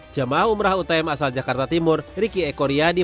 jemaah umrah utm asal jakarta timur riki eko riyadi